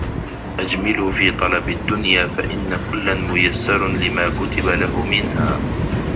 أَجْمِلُوا فِي طَلَبِ الدُّنْيَا فَإِنَّ كُلًّا مُيَسَّرٌ لِمَا كُتِبَ لَهُ مِنْهَا